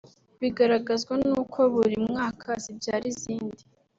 Bigaragazwa nuko buri mwaka zibyara izindi